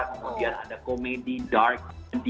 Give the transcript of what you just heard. kemudian ada komedi dark